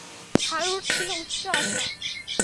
হারুর ছিল উচ্চ আশা।